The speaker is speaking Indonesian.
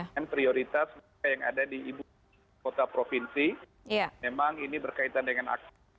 dan prioritas yang ada di ibu kota provinsi memang ini berkaitan dengan akun